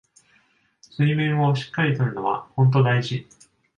睡眠をしっかり取るのはほんと大事